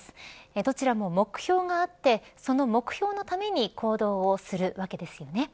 どちらも目標があってその目標のために行動をするわけですよね。